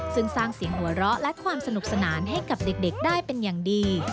ซึ่งสร้างเสียงหัวเราะและความสนุกสนานให้กับเด็กได้เป็นอย่างดี